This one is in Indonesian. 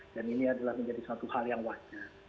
dan ini adalah menjadi satu hal yang wajar